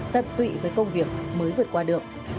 tận tụy với công việc mới vượt qua được